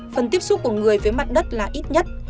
phần tiếp xúc của người với mặt đất là ít nhất